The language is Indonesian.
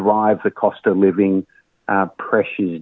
bisa menyebabkan kegunaan harga hidup